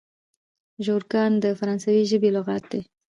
ژورګان د فرانسوي ژبي لغات دئ.